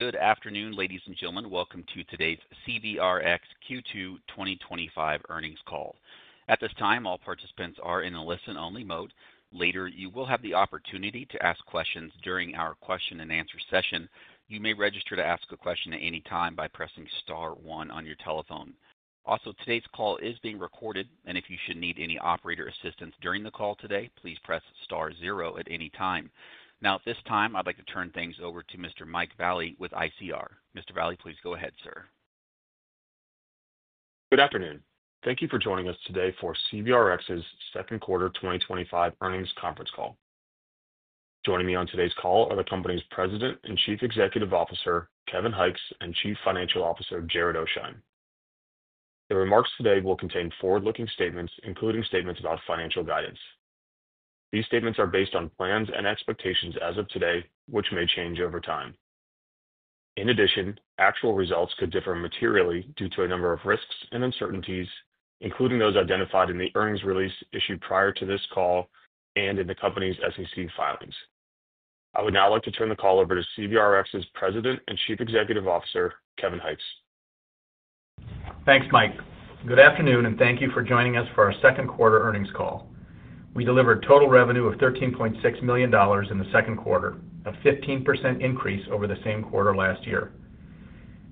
Good afternoon, ladies and gentlemen. Welcome to today's CVRx Q2 2025 Earnings Call. At this time, all participants are in a listen-only mode. Later, you will have the opportunity to ask questions during our question-and-answer session. You may register to ask a question at any time by pressing star one on your telephone. Also, today's call is being recorded, and if you should need any operator assistance during the call today, please press star zero at any time. Now, at this time, I'd like to turn things over to Mr. Mike Vallie with ICR. Mr. Vallie, please go ahead, sir. Good afternoon. Thank you for joining us today for CVRx's Second Quarter 2025 Earnings Conference Call. Joining me on today's call are the company's President and Chief Executive Officer, Kevin Hykes, and Chief Financial Officer, Jared Oasheim. The remarks today will contain forward-looking statements, including statements about financial guidance. These statements are based on plans and expectations as of today, which may change over time. In addition, actual results could differ materially due to a number of risks and uncertainties, including those identified in the earnings release issued prior to this call and in the company's SEC filings. I would now like to turn the call over to CVRx's President and Chief Executive Officer, Kevin Hykes. Thanks, Mike. Good afternoon, and thank you for joining us for our Second Quarter Earnings Call. We delivered total revenue of $13.6 million in the second quarter, a 15% increase over the same quarter last year.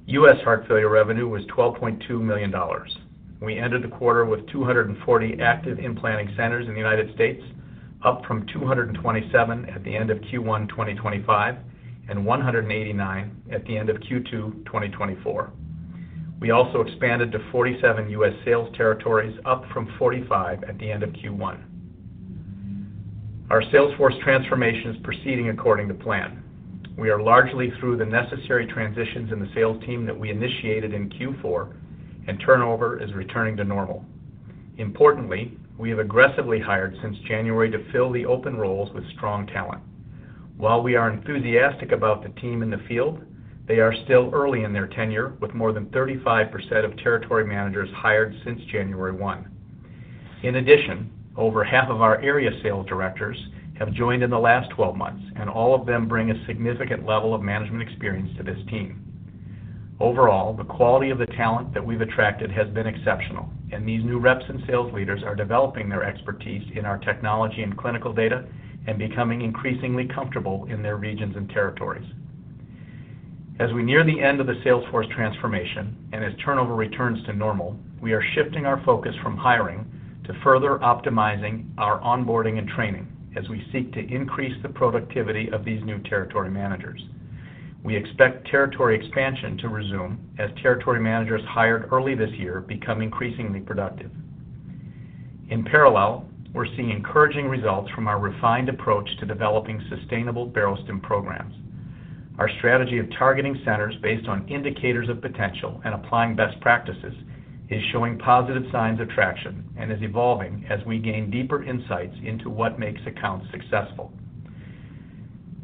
U.S. heart failure revenue was $12.2 million. We ended the quarter with 240 active implanting centers in the U.S., up from 227 at the end of Q1 2025 and 189 at the end of Q2 2024. We also expanded to 47 U.S. sales territories, up from 45 at the end of Q1. Our Salesforce transformation is proceeding according to plan. We are largely through the necessary transitions in the sales team that we initiated in Q4, and turnover is returning to normal. Importantly, we have aggressively hired since January to fill the open roles with strong talent. While we are enthusiastic about the team in the field, they are still early in their tenure, with more than 35% of territory managers hired since January 1. In addition, over half of our area sales directors have joined in the last 12 months, and all of them bring a significant level of management experience to this team. Overall, the quality of the talent that we've attracted has been exceptional, and these new reps and sales leaders are developing their expertise in our technology and clinical data and becoming increasingly comfortable in their regions and territories. As we near the end of the Salesforce transformation and as turnover returns to normal, we are shifting our focus from hiring to further optimizing our onboarding and training as we seek to increase the productivity of these new territory managers. We expect territory expansion to resume as territory managers hired early this year become increasingly productive. In parallel, we're seeing encouraging results from our refined approach to developing sustainable Barostim programs. Our strategy of targeting centers based on indicators of potential and applying best practices is showing positive signs of traction and is evolving as we gain deeper insights into what makes accounts successful.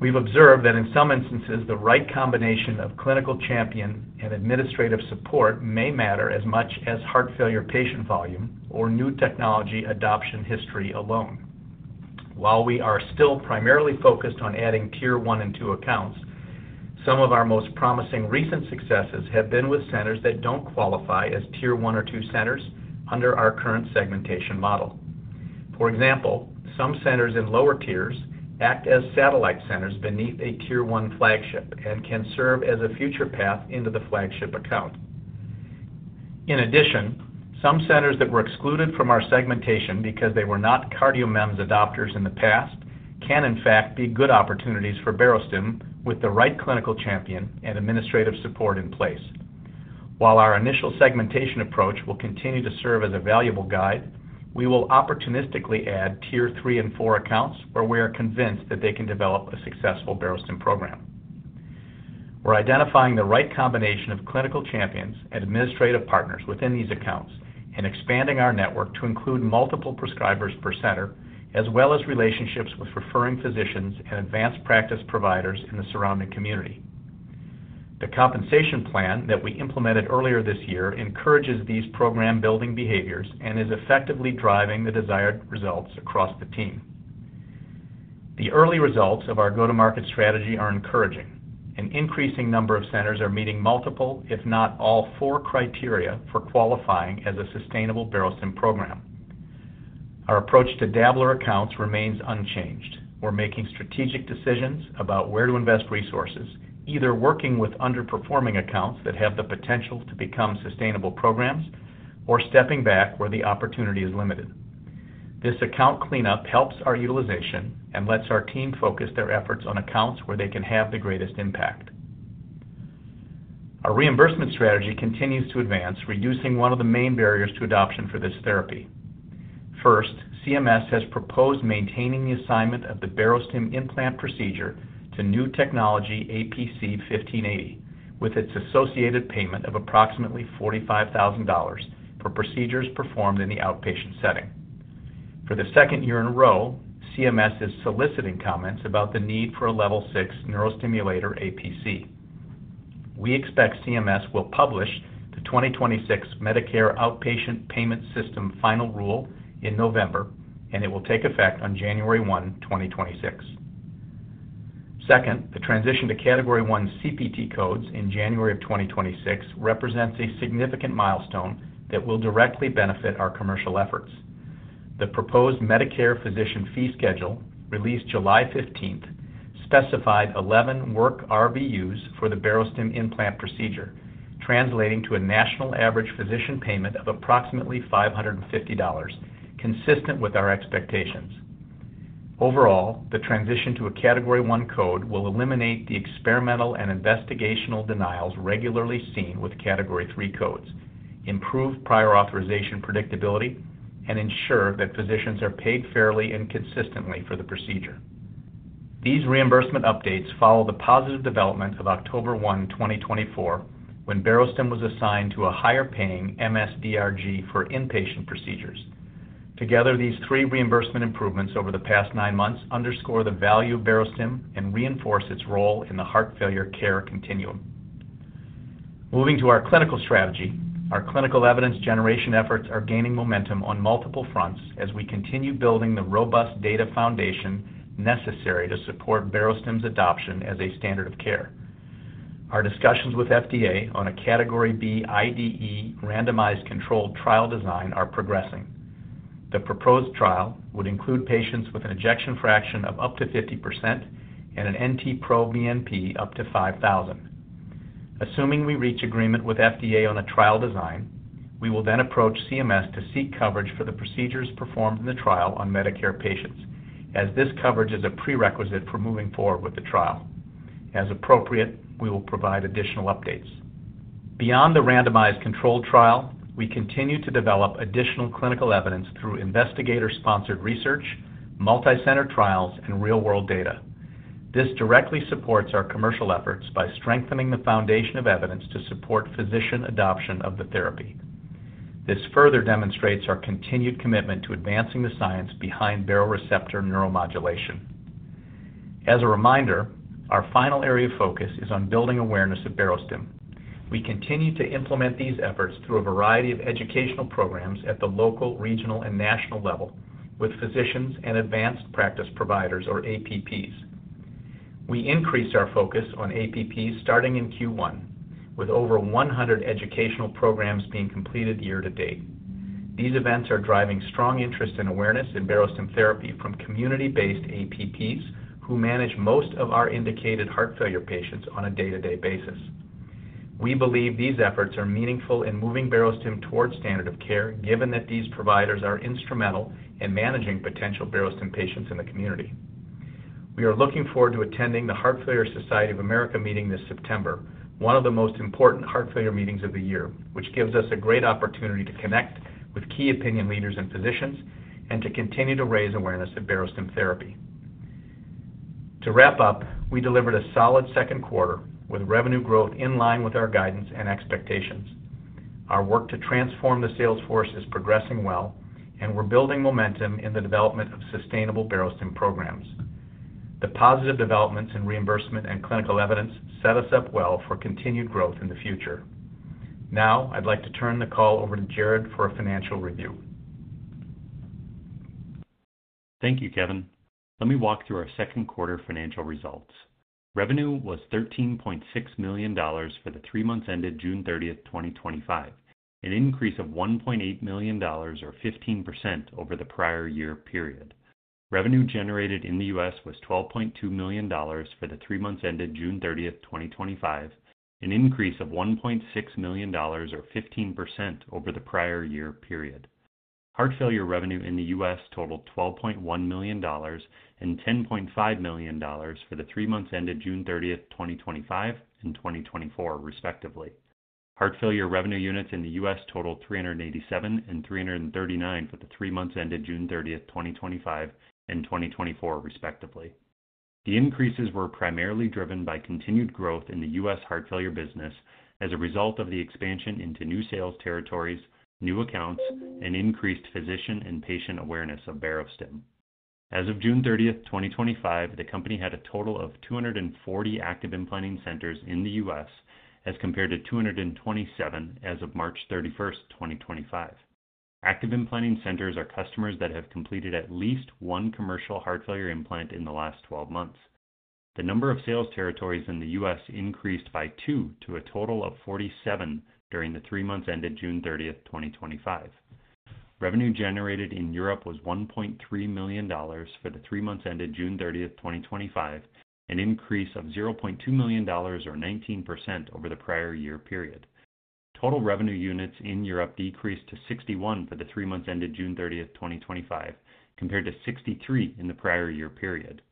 We've observed that in some instances, the right combination of clinical champion and administrative support may matter as much as heart failure patient volume or new technology adoption history alone. While we are still primarily focused on adding Tier 1 and 2 accounts, some of our most promising recent successes have been with centers that don't qualify as Tier 1 or 2 centers under our current segmentation model. For example, some centers in lower tiers act as satellite centers beneath a Tier 1 flagship and can serve as a future path into the flagship account. In addition, some centers that were excluded from our segmentation because they were not CardioMEMS adopters in the past can, in fact, be good opportunities for Barostim with the right clinical champion and administrative support in place. While our initial segmentation approach will continue to serve as a valuable guide, we will opportunistically add Tier 3 and 4 accounts where we are convinced that they can develop a successful Barostim program. We're identifying the right combination of clinical champions and administrative partners within these accounts and expanding our network to include multiple prescribers per center, as well as relationships with referring physicians and advanced practice providers in the surrounding community. The compensation plan that we implemented earlier this year encourages these program-building behaviors and is effectively driving the desired results across the team. The early results of our go-to-market strategy are encouraging. An increasing number of centers are meeting multiple, if not all, four criteria for qualifying as a sustainable Barostim program. Our approach to dabble accounts remains unchanged. We're making strategic decisions about where to invest resources, either working with underperforming accounts that have the potential to become sustainable programs or stepping back where the opportunity is limited. This account cleanup helps our utilization and lets our team focus their efforts on accounts where they can have the greatest impact. Our reimbursement strategy continues to advance, reducing one of the main barriers to adoption for this therapy. First, CMS has proposed maintaining the assignment of the Barostim implant procedure to new technology APC 1580, with its associated payment of approximately $45,000 for procedures performed in the outpatient setting. For the second year in a row, CMS is soliciting comments about the need for a level 6 neurostimulator APC. We expect CMS will publish the 2026 Medicare Outpatient Payment System Final Rule in November, and it will take effect on January 1, 2026. Second, the transition to Category 1 CPT codes in January of 2026 represents a significant milestone that will directly benefit our commercial efforts. The proposed Medicare physician fee schedule, released July 15th, specified 11 work RVUs for the Barostim implant procedure, translating to a national average physician payment of approximately $550, consistent with our expectations. Overall, the transition to a Category 1 CPT code will eliminate the experimental and investigational denials regularly seen with Category 3 codes, improve prior authorization predictability, and ensure that physicians are paid fairly and consistently for the procedure. These reimbursement updates follow the positive development of October 1, 2024, when Barostim was assigned to a higher paying MSDRG for inpatient procedures. Together, these three reimbursement improvements over the past nine months underscore the value of Barostim and reinforce its role in the heart failure care continuum. Moving to our clinical strategy, our clinical evidence generation efforts are gaining momentum on multiple fronts as we continue building the robust data foundation necessary to support Barostim adoption as a standard of care. Our discussions with FDA on a Category B IDE randomized controlled trial design are progressing. The proposed trial would include patients with an ejection fraction of up to 50% and an NT-proBNP up to 5,000. Assuming we reach agreement with FDA on a trial design, we will then approach CMS to seek coverage for the procedures performed in the trial on Medicare patients, as this coverage is a prerequisite for moving forward with the trial. As appropriate, we will provide additional updates. Beyond the randomized controlled trial, we continue to develop additional clinical evidence through investigator-sponsored research, multicenter trials, and real-world data. This directly supports our commercial efforts by strengthening the foundation of evidence to support physician adoption of the therapy. This further demonstrates our continued commitment to advancing the science behind baroreceptor neuromodulation. As a reminder, our final area of focus is on building awareness of Barostim. We continue to implement these efforts through a variety of educational programs at the local, regional, and national level with physicians and Advanced Practice Providers, or APPs. We increase our focus on APPs starting in Q1, with over 100 educational programs being completed year to date. These events are driving strong interest in awareness in Barostim therapy from community-based APPs who manage most of our indicated heart failure patients on a day-to-day basis. We believe these efforts are meaningful in moving Barostim towards standard of care, given that these providers are instrumental in managing potential Barostim patients in the community. We are looking forward to attending the Heart Failure Society of America meeting this September, one of the most important heart failure meetings of the year, which gives us a great opportunity to connect with key opinion leaders and physicians and to continue to raise awareness of Barostim therapy. To wrap up, we delivered a solid second quarter with revenue growth in line with our guidance and expectations. Our work to transform the Salesforce is progressing well, and we're building momentum in the development of sustainable Barostim programs. The positive developments in reimbursement and clinical evidence set us up well for continued growth in the future. Now, I'd like to turn the call over to Jared for a financial review. Thank you, Kevin. Let me walk through our second quarter financial results. Revenue was $13.6 million for the three months ended June 30th, 2025, an increase of $1.8 million, or 15% over the prior year period. Revenue generated in the U.S. was $12.2 million for the three months ended June 30th, 2025, an increase of $1.6 million, or 15% over the prior year period. Heart failure revenue in the U.S. totaled $12.1 million and $10.5 million for the three months ended June 30th, 2025 and 2024, respectively. Heart failure revenue units in the U.S. totaled 387 and 339 for the three months ended June 30th, 2025 and 2024, respectively. The increases were primarily driven by continued growth in the U.S. heart failure business as a result of the expansion into new sales territories, new accounts, and increased physician and patient awareness of Barostim. As of June 30th, 2025, the company had a total of 240 active implanting centers in the U.S. as compared to 227 as of March 31st, 2025. Active implanting centers are customers that have completed at least one commercial heart failure implant in the last 12 months. The number of sales territories in the U.S. increased by two to a total of 47 during the three months ended June 30th, 2025. Revenue generated in Europe was $1.3 million for the three months ended June 30th, 2025, an increase of $0.2 million, or 19% over the prior year period. Total revenue units in Europe decreased to 61 for the three months ended June 30th, 2025, compared to 63 in the prior year period.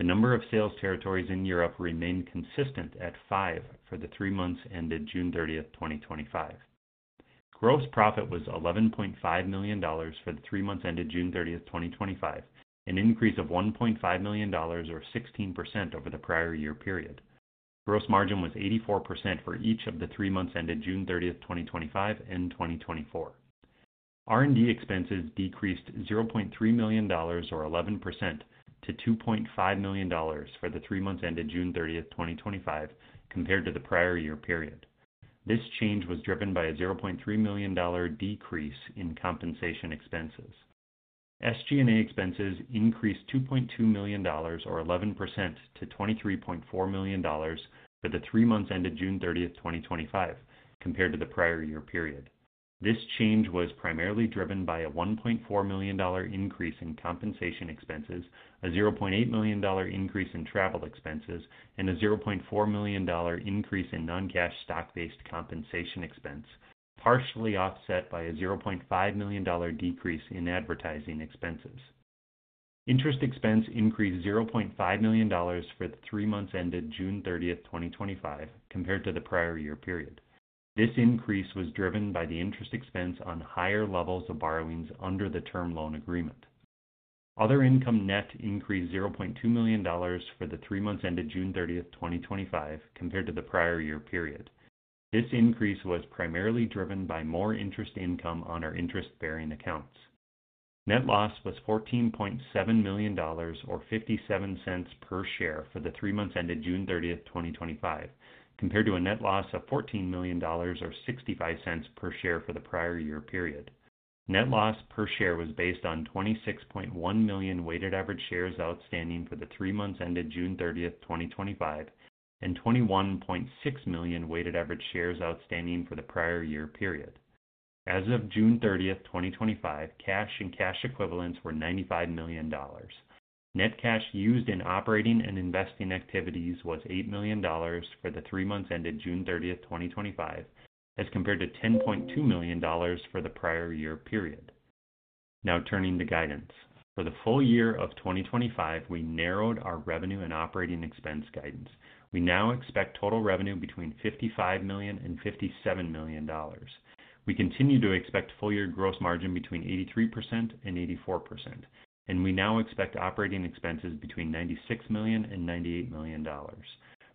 The number of sales territories in Europe remained consistent at five for the three months ended June 30th, 2025. Gross profit was $11.5 million for the three months ended June 30th, 2025, an increase of $1.5 million, or 16% over the prior year period. Gross margin was 84% for each of the three months ended June 30th, 2025 and 2024. R&D expenses decreased $0.3 million, or 11%, to $2.5 million for the three months ended June 30th, 2025, compared to the prior year period. This change was driven by a $0.3 million decrease in compensation expenses. SG&A expenses increased $2.2 million, or 11%, to $23.4 million for the three months ended June 30th, 2025, compared to the prior year period. This change was primarily driven by a $1.4 million increase in compensation expenses, a $0.8 million increase in travel expenses, and a $0.4 million increase in non-cash stock-based compensation expense, partially offset by a $0.5 million decrease in advertising expenses. Interest expense increased $0.5 million for the three months ended June 30th, 2025, compared to the prior year period. This increase was driven by the interest expense on higher levels of borrowings under the term loan agreement. Other income net increased $0.2 million for the three months ended June 30th, 2025, compared to the prior year period. This increase was primarily driven by more interest income on our interest-bearing accounts. Net loss was $14.7 million, or $0.57 per share for the three months ended June 30th, 2025, compared to a net loss of $14 million, or $0.65 per share for the prior year period. Net loss per share was based on 26.1 million weighted average shares outstanding for the three months ended June 30th, 2025, and 21.6 million weighted average shares outstanding for the prior year period. As of June 30th, 2025, cash and cash equivalents were $95 million. Net cash used in operating and investing activities was $8 million for the three months ended June 30th, 2025, as compared to $10.2 million for the prior year period. Now, turning to guidance. For the full year of 2025, we narrowed our revenue and operating expense guidance. We now expect total revenue between $55 million and $57 million. We continue to expect full-year gross margin between 83% and 84%, and we now expect operating expenses between $96 million and $98 million.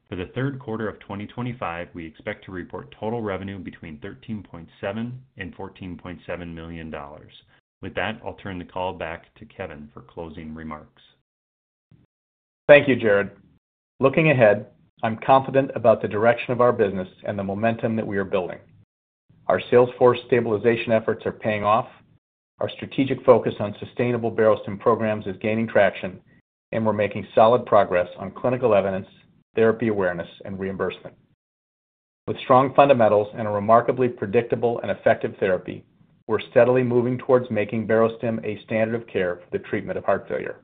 For the third quarter of 2025, we expect to report total revenue between $13.7 million and $14.7 million. With that, I'll turn the call back to Kevin for closing remarks. Thank you, Jared. Looking ahead, I'm confident about the direction of our business and the momentum that we are building. Our Salesforce stabilization efforts are paying off, our strategic focus on sustainable Barostim programs is gaining traction, and we're making solid progress on clinical evidence, therapy awareness, and reimbursement. With strong fundamentals and a remarkably predictable and effective therapy, we're steadily moving towards making Barostim a standard of care for the treatment of heart failure.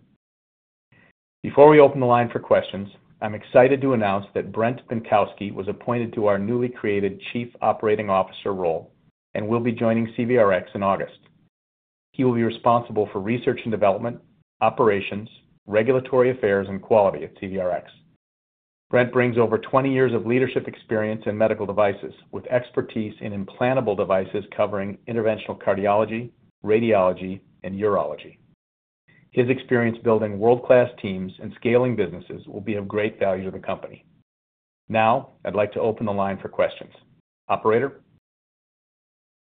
Before we open the line for questions, I'm excited to announce that Brent Binkowski was appointed to our newly created Chief Operating Officer role and will be joining CVRx in August. He will be responsible for research and development, operations, regulatory affairs, and quality at CVRx. Brent brings over 20 years of leadership experience in medical devices, with expertise in implantable devices covering interventional cardiology, radiology, and urology. His experience building world-class teams and scaling businesses will be of great value to the company. Now, I'd like to open the line for questions. Operator.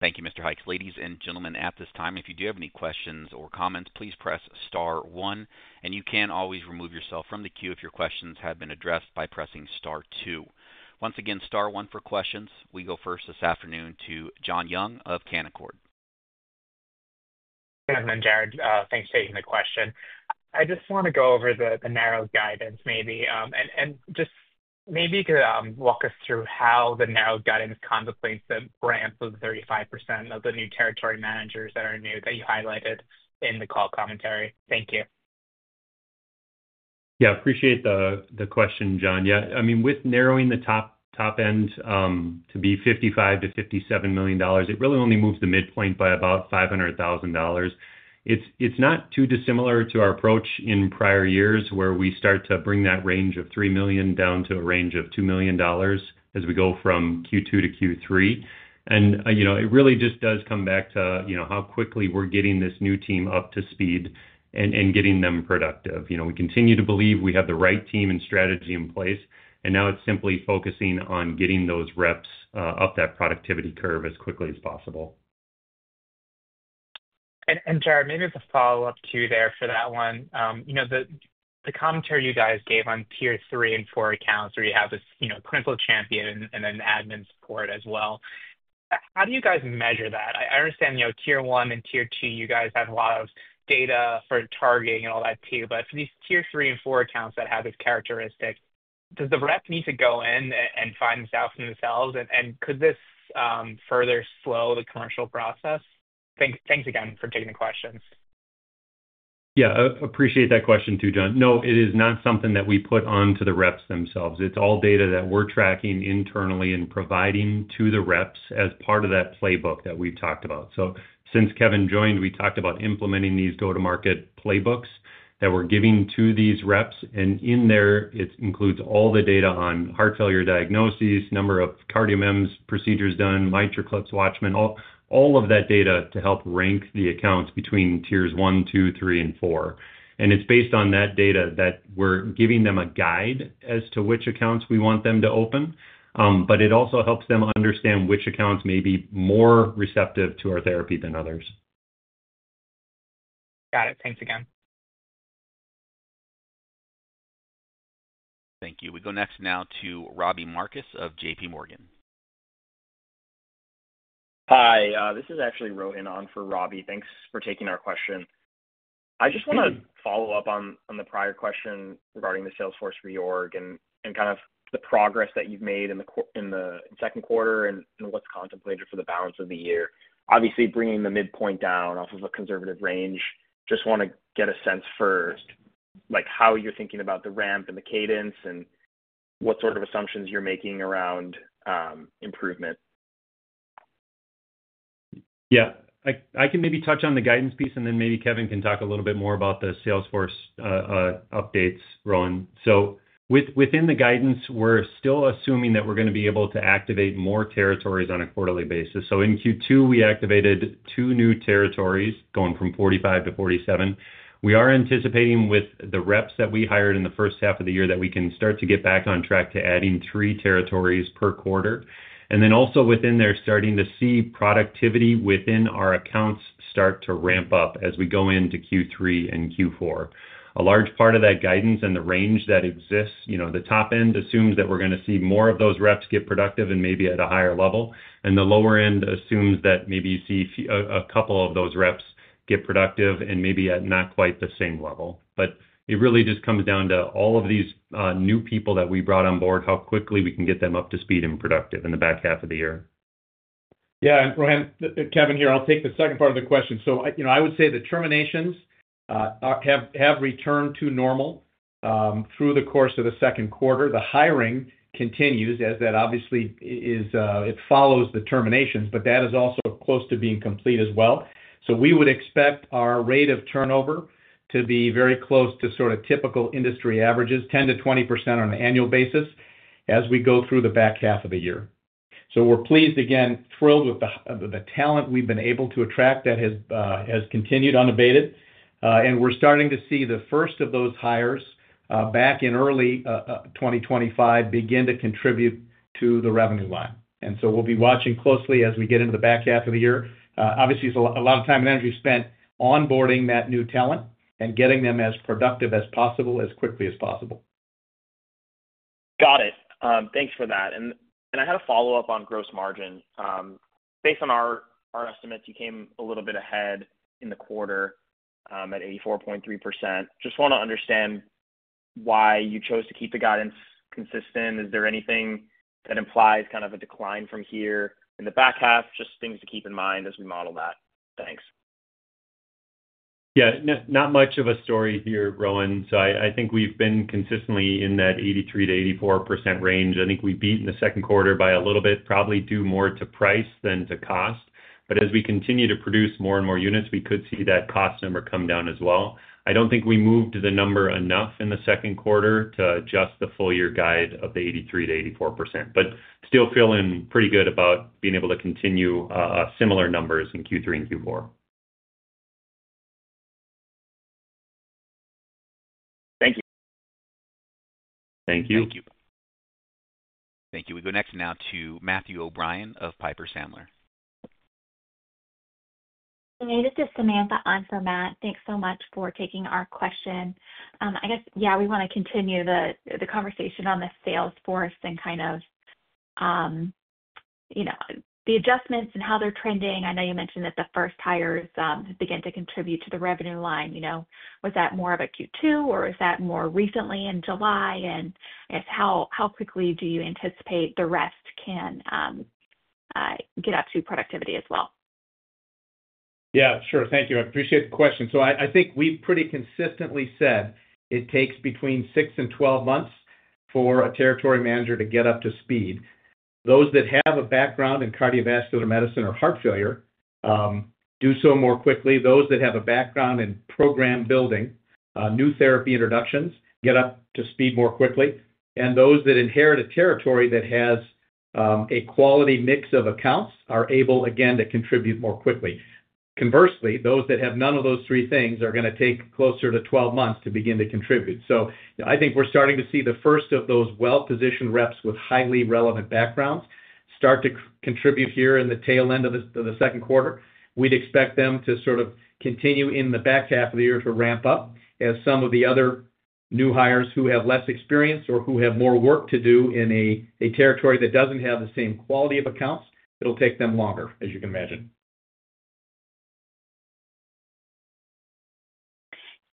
Thank you, Mr. Hykes. Ladies and gentlemen, at this time, if you do have any questions or comments, please press star one, and you can always remove yourself from the queue if your questions have been addressed by pressing star two. Once again, star one for questions. We go first this afternoon to Jon Young of Canaccord. Good afternoon, Jared. Thanks for taking the question. I just want to go over the narrow guidance maybe, and just maybe you could walk us through how the narrow guidance contemplates the branch of 35% of the new territory managers that are new that you highlighted in the call commentary. Thank you. Yeah, I appreciate the question, Jon. With narrowing the top end to be $55 million-$57 million, it really only moves the midpoint by about $500,000. It's not too dissimilar to our approach in prior years where we start to bring that range of $3 million down to a range of $2 million as we go from Q2-Q3. It really just does come back to how quickly we're getting this new team up to speed and getting them productive. We continue to believe we have the right team and strategy in place, and now it's simply focusing on getting those reps up that productivity curve as quickly as possible. Jared, maybe the follow-up cue there for that one. The commentary you guys gave on Tier 3 and 4 accounts where you have this clinical champion and then admin support as well, how do you guys measure that? I understand Tier 1 and Tier 2, you guys have a lot of data for targeting and all that too, but for these Tier 3 and 4 accounts that have this characteristic, does the rep need to go in and find this out for themselves? Could this further slow the commercial process? Thanks again for taking the questions. Yeah, I appreciate that question too, Jon. No, it is not something that we put onto the reps themselves. It's all data that we're tracking internally and providing to the reps as part of that playbook that we've talked about. Since Kevin joined, we talked about implementing these go-to-market playbooks that we're giving to these reps, and in there, it includes all the data on heart failure diagnoses, number of CardioMEMS procedures done, MitraClips, Watchman, all of that data to help rank the accounts between tiers 1, 2, 3, and 4. It's based on that data that we're giving them a guide as to which accounts we want them to open, but it also helps them understand which accounts may be more receptive to our therapy than others. Got it. Thanks again. Thank you. We go next now to Robbie Marcus of JPMorgan. Hi, this is actually Rohin on for Robbie. Thanks for taking our question. I just want to follow up on the prior question regarding the Salesforce reorg and kind of the progress that you've made in the second quarter and what's contemplated for the balance of the year. Obviously, bringing the midpoint down off of a conservative range, just want to get a sense first, like how you're thinking about the ramp and the cadence and what sort of assumptions you're making around improvement. Yeah, I can maybe touch on the guidance piece, and then maybe Kevin can talk a little bit more about the Salesforce updates, Rohan. Within the guidance, we're still assuming that we're going to be able to activate more territories on a quarterly basis. In Q2, we activated two new territories, going from 45-47. We are anticipating with the reps that we hired in the first half of the year that we can start to get back on track to adding three territories per quarter. Also within there, starting to see productivity within our accounts start to ramp up as we go into Q3 and Q4. A large part of that guidance and the range that exists, you know, the top end assumes that we're going to see more of those reps get productive and maybe at a higher level, and the lower end assumes that maybe you see a couple of those reps get productive and maybe at not quite the same level. It really just comes down to all of these new people that we brought on board, how quickly we can get them up to speed and productive in the back half of the year. Yeah, and Rohin, Kevin here, I'll take the second part of the question. I would say the terminations have returned to normal through the course of the second quarter. The hiring continues as that obviously follows the terminations, but that is also close to being complete as well. We would expect our rate of turnover to be very close to typical industry averages, 10%-20% on an annual basis as we go through the back half of the year. We're pleased again, thrilled with the talent we've been able to attract that has continued unabated. We're starting to see the first of those hires back in early 2025 begin to contribute to the revenue line. We'll be watching closely as we get into the back half of the year. Obviously, it's a lot of time and energy spent onboarding that new talent and getting them as productive as possible as quickly as possible. Got it. Thanks for that. I had a follow-up on gross margin. Based on our estimates, you came a little bit ahead in the quarter at 84.3%. I just want to understand why you chose to keep the guidance consistent. Is there anything that implies kind of a decline from here in the back half? Just things to keep in mind as we model that. Thanks. Yeah, not much of a story here, Rohin. I think we've been consistently in that 83%-84% range. I think we beat in the second quarter by a little bit, probably due more to price than to cost. As we continue to produce more and more units, we could see that cost number come down as well. I don't think we moved the number enough in the second quarter to adjust the full-year guide of the 83%-84%, but still feeling pretty good about being able to continue similar numbers in Q3 and Q4. Thank you. Thank you. Thank you. We go next now to Matthew O'Brien of Piper Sandler. This is Samantha on for Matt. Thanks so much for taking our question. I guess, yeah, we want to continue the conversation on the Salesforce and kind of, you know, the adjustments and how they're trending. I know you mentioned that the first hires have begun to contribute to the revenue line. You know, was that more of a Q2 or is that more recently in July? How quickly do you anticipate the rest can get up to productivity as well? Thank you. I appreciate the question. I think we've pretty consistently said it takes between 6 and 12 months for a territory manager to get up to speed. Those that have a background in cardiovascular medicine or heart failure do so more quickly. Those that have a background in program building, new therapy introductions get up to speed more quickly. Those that inherit a territory that has a quality mix of accounts are able, again, to contribute more quickly. Conversely, those that have none of those three things are going to take closer to 12 months to begin to contribute. I think we're starting to see the first of those well-positioned reps with highly relevant backgrounds start to contribute here in the tail end of the second quarter. We'd expect them to continue in the back half of the year to ramp up as some of the other new hires who have less experience or who have more work to do in a territory that doesn't have the same quality of accounts. It'll take them longer, as you can imagine.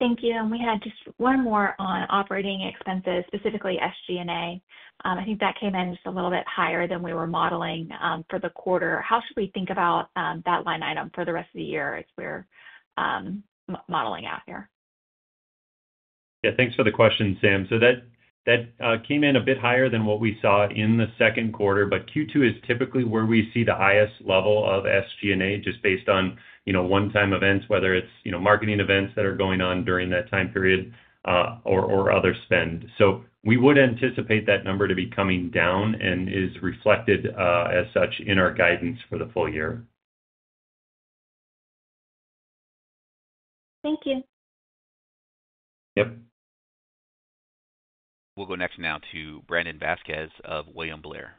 Thank you. We had just one more on operating expenses, specifically SG&A. I think that came in just a little bit higher than we were modeling for the quarter. How should we think about that line item for the rest of the year as we're modeling out here? Yeah, thanks for the question, Sam. That came in a bit higher than what we saw in the second quarter, but Q2 is typically where we see the highest level of SG&A just based on, you know, one-time events, whether it's, you know, marketing events that are going on during that time period or other spend. We would anticipate that number to be coming down and is reflected as such in our guidance for the full year. Thank you. Yep. We'll go next now to Brandon Vazquez of William Blair.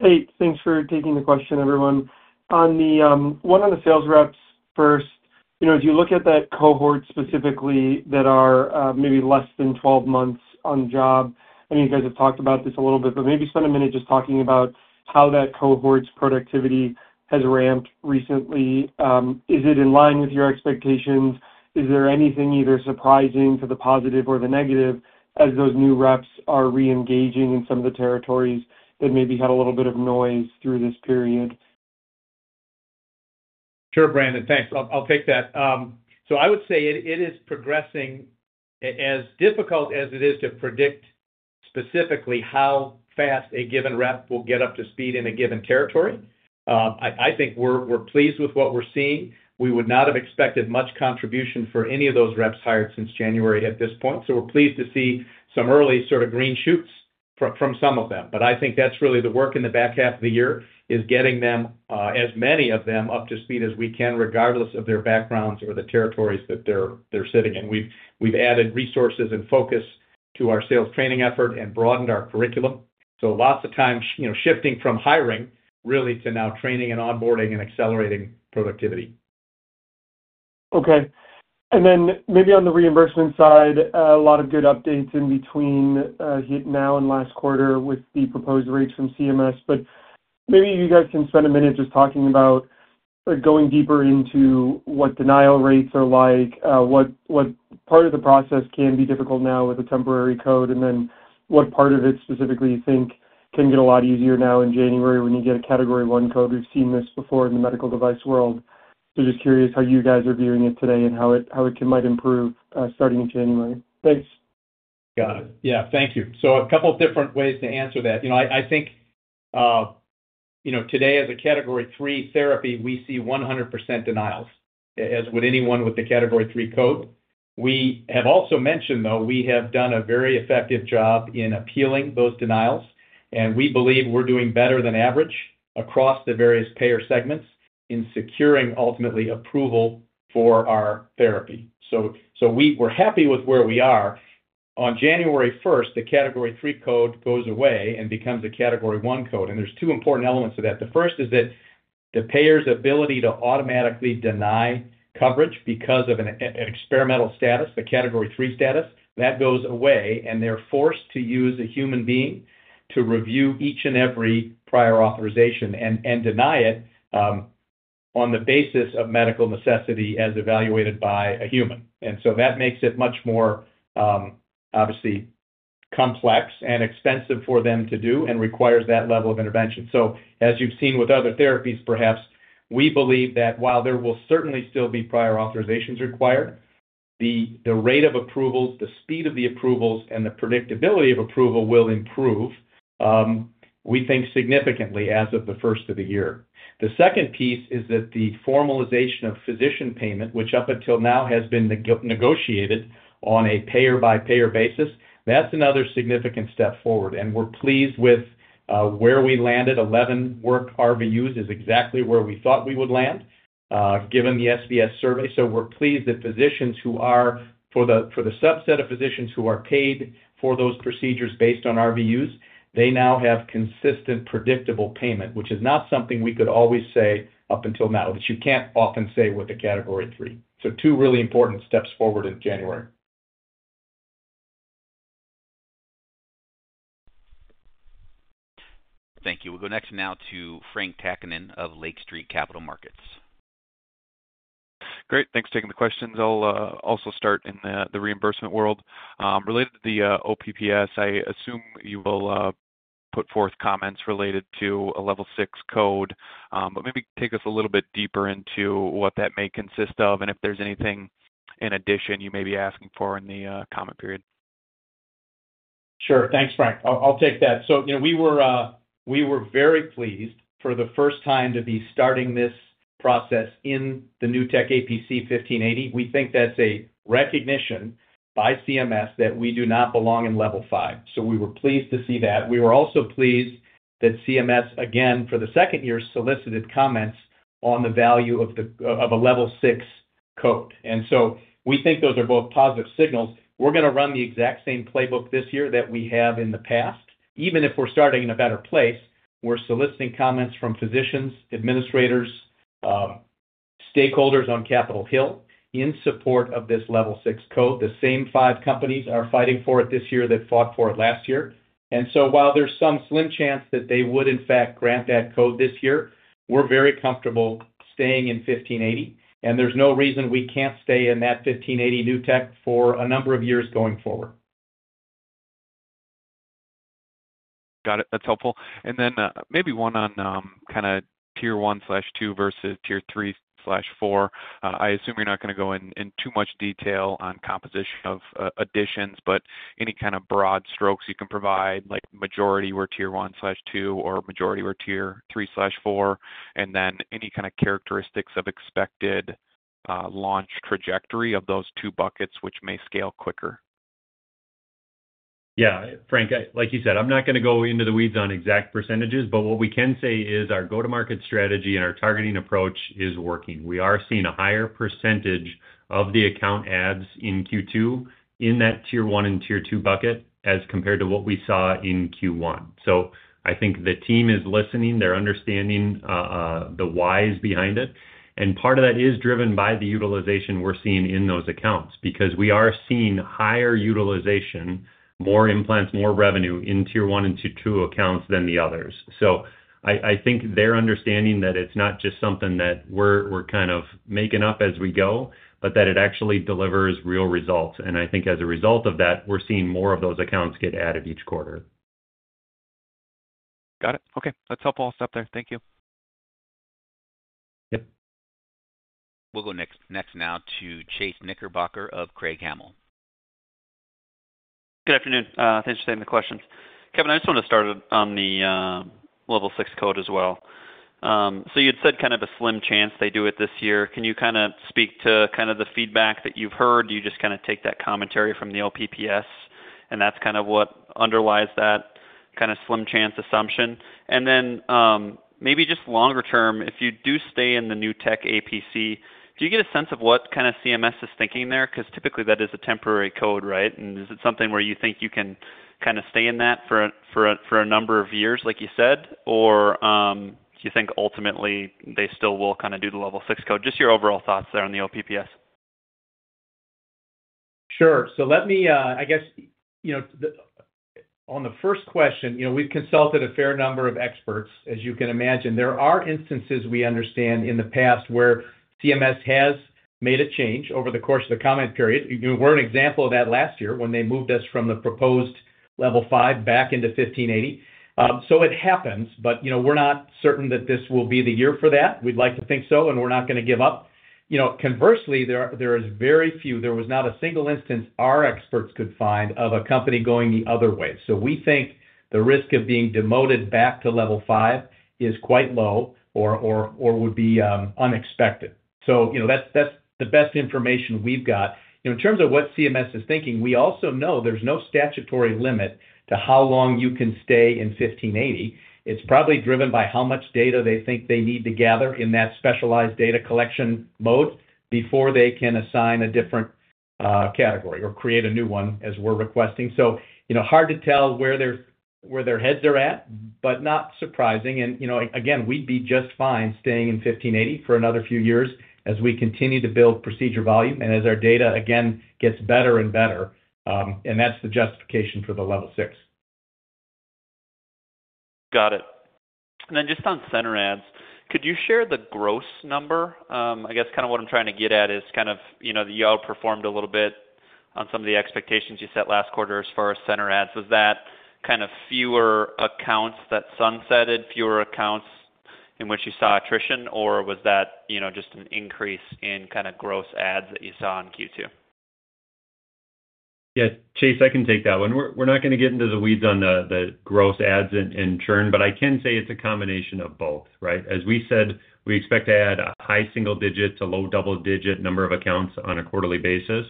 Hey, thanks for taking the question, everyone. On the one on the sales reps first, as you look at that cohort specifically that are maybe less than 12 months on the job, you guys have talked about this a little bit, but maybe spend a minute just talking about how that cohort's productivity has ramped recently. Is it in line with your expectations? Is there anything either surprising to the positive or the negative as those new reps are re-engaging in some of the territories that maybe had a little bit of noise through this period? Sure, Brandon. Thanks. I'll take that. I would say it is progressing. As difficult as it is to predict specifically how fast a given rep will get up to speed in a given territory, I think we're pleased with what we're seeing. We would not have expected much contribution for any of those reps hired since January at this point. We're pleased to see some early sort of green shoots from some of them. I think that's really the work in the back half of the year, getting them, as many of them, up to speed as we can, regardless of their backgrounds or the territories that they're sitting in. We've added resources and focus to our sales training effort and broadened our curriculum. Lots of times, you know, shifting from hiring really to now training and onboarding and accelerating productivity. Okay. On the reimbursement side, a lot of good updates in between now and last quarter with the proposed rates from CMS, but maybe you guys can spend a minute just talking about going deeper into what denial rates are like, what part of the process can be difficult now with a temporary code, and what part of it specifically you think can get a lot easier now in January when you get a Category 1 code. We've seen this before in the medical device world. Just curious how you guys are viewing it today and how it might improve starting in January. Thanks. Thank you. A couple of different ways to answer that. I think today as a Category 3 therapy, we see 100% denials, as would anyone with the Category 3 code. We have also mentioned, though, we have done a very effective job in appealing those denials, and we believe we're doing better than average across the various payer segments in securing ultimately approval for our therapy. We're happy with where we are. On January 1, the Category 3 code goes away and becomes the Category 1 code, and there are two important elements to that. The first is that the payer's ability to automatically deny coverage because of an experimental status, the Category 3 status, goes away, and they're forced to use a human being to review each and every prior authorization and deny it on the basis of medical necessity as evaluated by a human. That makes it much more, obviously, complex and expensive for them to do and requires that level of intervention. As you've seen with other therapies, perhaps, we believe that while there will certainly still be prior authorizations required, the rate of approvals, the speed of the approvals, and the predictability of approval will improve, we think, significantly as of the first of the year. The second piece is that the formalization of physician payment, which up until now has been negotiated on a payer-by-payer basis, is another significant step forward. We're pleased with where we landed. 11 work RVUs is exactly where we thought we would land, given the SVS survey. We're pleased that physicians who are, for the subset of physicians who are paid for those procedures based on RVUs, now have consistent predictable payment, which is not something we could always say up until now, but you can't often say with the Category 3. Two really important steps forward in January. Thank you. We'll go next now to Frank Takkinen of Lake Street Capital Markets. Great. Thanks for taking the questions. I'll also start in the reimbursement world. Related to the OPPS, I assume you will put forth comments related to a level 6 code, but maybe take us a little bit deeper into what that may consist of and if there's anything in addition you may be asking for in the comment period. Sure. Thanks, Frank. I'll take that. We were very pleased for the first time to be starting this process in the new tech APC 1580. We think that's a recognition by CMS that we do not belong in level 5. We were pleased to see that. We were also pleased that CMS, again, for the second year, solicited comments on the value of a level 6 code. We think those are both positive signals. We're going to run the exact same playbook this year that we have in the past. Even if we're starting in a better place, we're soliciting comments from physicians, administrators, stakeholders on Capitol Hill in support of this level 6 code. The same five companies are fighting for it this year that fought for it last year. While there's some slim chance that they would, in fact, grant that code this year, we're very comfortable staying in 1580, and there's no reason we can't stay in that 1580 new tech for a number of years going forward. Got it. That's helpful. Maybe one on kind of Tier 1/2 versus Tier 3/4. I assume you're not going to go in too much detail on composition of additions, but any kind of broad strokes you can provide, like majority were Tier 1/2 or majority were Tier 3/4, and then any kind of characteristics of expected launch trajectory of those two buckets, which may scale quicker. Yeah, Frank, like you said, I'm not going to go into the weeds on exact percentages, but what we can say is our go-to-market strategy and our targeting approach is working. We are seeing a higher percentage of the account adds in Q2 in that Tier 1 and Tier 2 bucket as compared to what we saw in Q1. I think the team is listening. They're understanding the whys behind it. Part of that is driven by the utilization we're seeing in those accounts because we are seeing higher utilization, more implants, more revenue in Tier 1 and Tier 2 accounts than the others. I think they're understanding that it's not just something that we're kind of making up as we go, but that it actually delivers real results. I think as a result of that, we're seeing more of those accounts get added each quarter. Got it. Okay, that's helpful. I'll stop there. Thank you. Yeah. We'll go next now to Chase Knickerbocker of Craig Hallum. Good afternoon. Thanks for taking the questions. Kevin, I just want to start on the level 6 code as well. You had said kind of a slim chance they do it this year. Can you speak to the feedback that you've heard? Do you just take that commentary from the OPPS, and that's what underlies that slim chance assumption? Maybe just longer term, if you do stay in the new tech APC, do you get a sense of what CMS is thinking there? Typically that is a temporary code, right? Is it something where you think you can stay in that for a number of years, like you said, or do you think ultimately they still will do the level 6 code? Just your overall thoughts there on the OPPS? Sure. Let me, I guess, on the first question, we've consulted a fair number of experts. As you can imagine, there are instances we understand in the past where CMS has made a change over the course of the comment period. We're an example of that last year when they moved us from the proposed level 5 back into APC 1580. It happens, but we're not certain that this will be the year for that. We'd like to think so, and we're not going to give up. Conversely, there are very few, there was not a single instance our experts could find of a company going the other way. We think the risk of being demoted back to level 5 is quite low or would be unexpected. That's the best information we've got. In terms of what CMS is thinking, we also know there's no statutory limit to how long you can stay in APC 1580. It's probably driven by how much data they think they need to gather in that specialized data collection mode before they can assign a different category or create a new one, as we're requesting. It's hard to tell where their heads are at, but not surprising. Again, we'd be just fine staying in APC 1580 for another few years as we continue to build procedure volume and as our data, again, gets better and better. That's the justification for the level 6. Got it. On center ads, could you share the gross number? I guess what I'm trying to get at is, you outperformed a little bit on some of the expectations you set last quarter as far as center ads. Was that fewer accounts that sunsetted, fewer accounts in which you saw attrition, or was that just an increase in gross ads that you saw in Q2? Yeah, Chase, I can take that one. We're not going to get into the weeds on the gross ads and churn, but I can say it's a combination of both, right? As we said, we expect to add high single digit to low double digit number of accounts on a quarterly basis.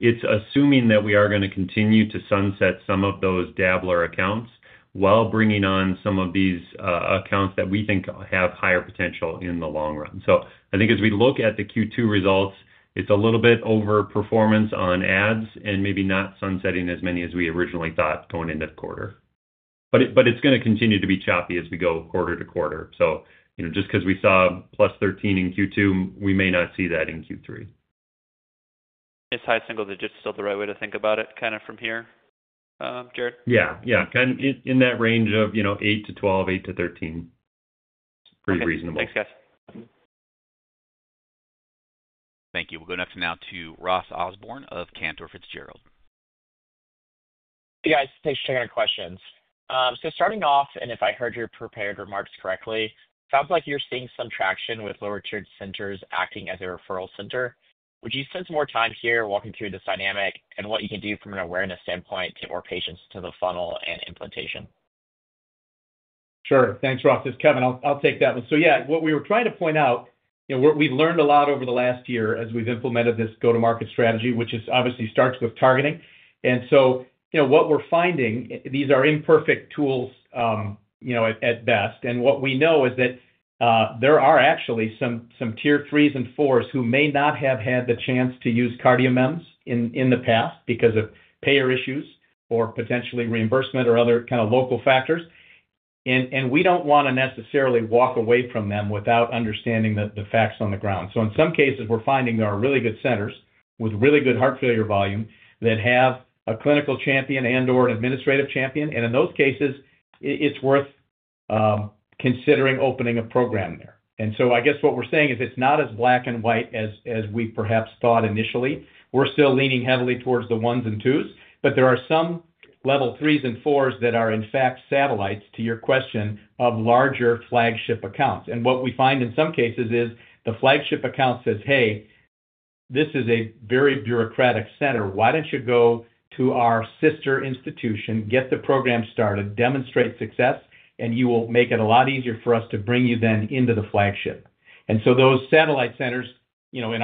It's assuming that we are going to continue to sunset some of those dabler accounts while bringing on some of these accounts that we think have higher potential in the long run. I think as we look at the Q2 results, it's a little bit overperformance on ads and maybe not sunsetting as many as we originally thought going into the quarter. It's going to continue to be choppy as we go quarter to quarter. Just because we saw plus 13 in Q2, we may not see that in Q3. Is high single digits still the right way to think about it, kind of from here, Jared? Yeah, kind of in that range of, you know, 8-12, 8-13. It's pretty reasonable. Thanks, guys. Thank you. We'll go next now to Ross Osborn of Cantor Fitzgerald. Hey guys, thanks for taking our questions. If I heard your prepared remarks correctly, it sounds like you're seeing some traction with lower tiered centers acting as a referral center. Would you spend some more time here walking through this dynamic and what you can do from an awareness standpoint to move more patients to the funnel and implantation? Sure. Thanks, Ross. It's Kevin. I'll take that one. What we were trying to point out, we've learned a lot over the last year as we've implemented this go-to-market strategy, which obviously starts with targeting. What we're finding, these are imperfect tools at best. What we know is that there are actually some Tier 3s and 4s who may not have had the chance to use CardioMEMS in the past because of payer issues or potentially reimbursement or other kind of local factors. We don't want to necessarily walk away from them without understanding the facts on the ground. In some cases, we're finding there are really good centers with really good heart failure volume that have a clinical champion and/or an administrative champion. In those cases, it's worth considering opening a program there. I guess what we're saying is it's not as black and white as we perhaps thought initially. We're still leaning heavily towards the 1s and 2s, but there are some level 3s and 4s that are, in fact, satellites to your question of larger flagship accounts. What we find in some cases is the flagship account says, "Hey, this is a very bureaucratic center. Why don't you go to our sister institution, get the program started, demonstrate success, and you will make it a lot easier for us to bring you then into the flagship?" Those satellite centers, in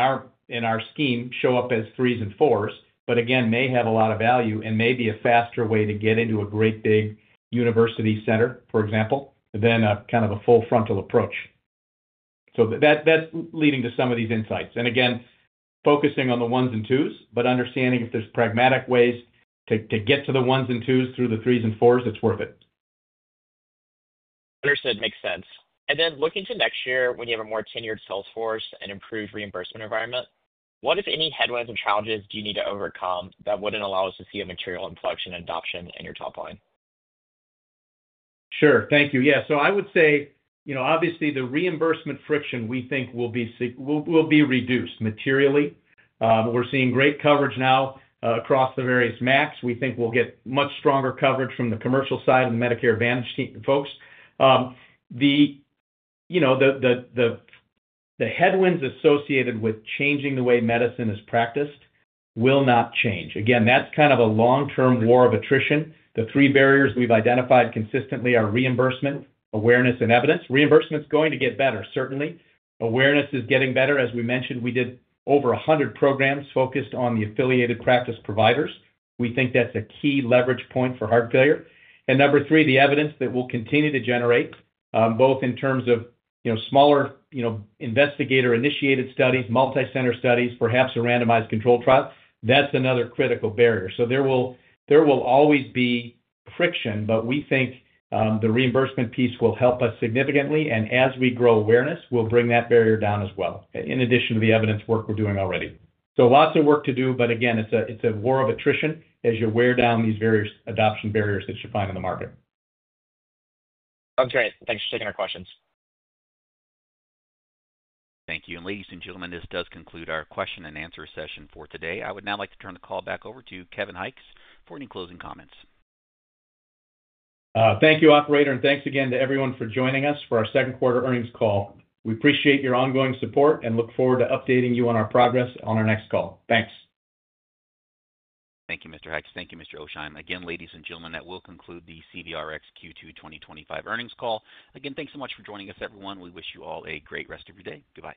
our scheme, show up as 3s and 4s, but again, may have a lot of value and may be a faster way to get into a great big university center, for example, than a kind of a full frontal approach. That's leading to some of these insights. Again, focusing on the 1s and 2s, but understanding if there's pragmatic ways to get to the 1s and 2s through the 3s and 4s, it's worth it. Understood. Makes sense. Looking to next year, when you have a more tenured Salesforce and improved reimbursement environment, what, if any, headwinds and challenges do you need to overcome that wouldn't allow us to see a material inflection in adoption in your top line? Sure. Thank you. I would say, obviously the reimbursement friction we think will be reduced materially. We're seeing great coverage now across the various MACs. We think we'll get much stronger coverage from the commercial side and the Medicare Advantage team folks. The headwinds associated with changing the way medicine is practiced will not change. Again, that's kind of a long-term war of attrition. The three barriers we've identified consistently are reimbursement, awareness, and evidence. Reimbursement is going to get better, certainly. Awareness is getting better. As we mentioned, we did over 100 programs focused on the affiliated practice providers. We think that's a key leverage point for heart failure. Number three, the evidence that will continue to generate, both in terms of smaller investigator-initiated studies, multi-center studies, perhaps a randomized controlled trial, that's another critical barrier. There will always be friction, but we think the reimbursement piece will help us significantly. As we grow awareness, we'll bring that barrier down as well, in addition to the evidence work we're doing already. Lots of work to do, but again, it's a war of attrition as you wear down these various adoption barriers that you find in the market. Sounds great. Thanks for taking our questions. Thank you. Ladies and gentlemen, this does conclude our question and answer session for today. I would now like to turn the call back over to Kevin Hykes for any closing comments. Thank you, Operator, and thanks again to everyone for joining us for our second quarter earnings call. We appreciate your ongoing support and look forward to updating you on our progress on our next call. Thanks. Thank you, Mr. Hykes. Thank you, Mr. Oasheim. Again, ladies and gentlemen, that will conclude the CVRx Q2 2025 Earnings Call. Again, thanks so much for joining us, everyone. We wish you all a great rest of your day. Goodbye.